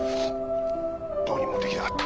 どうにもできなかった。